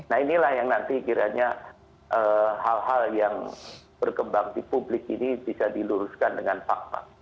nah inilah yang nanti kiranya hal hal yang berkembang di publik ini bisa diluruskan dengan fakta